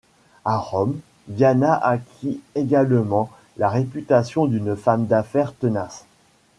À Rome, Diana acquit également la réputation d'une femme d'affaires tenace.